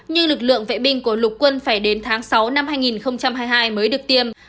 như lực lượng vệ binh của lục quân phải đến tháng sáu năm hai nghìn hai mươi hai mới được tiêm